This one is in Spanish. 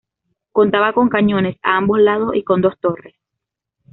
Contaba con cañones a ambos lados y con dos torres.